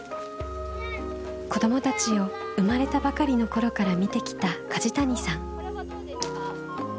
子どもたちを生まれたばかりの頃から見てきた楫谷さん。